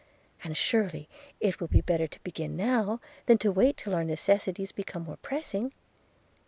and surely it will be better to begin now, than to wait till our necessities become more pressing.